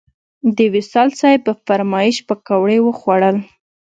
د وصال صیب په فرمایش پکوړې وخوړل.